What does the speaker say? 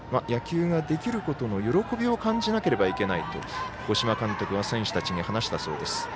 野球ができることの喜びを感じなければいけないと五島監督は選手たちに話したそうです。